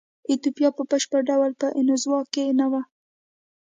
ایتوپیا په بشپړ ډول په انزوا کې نه وه.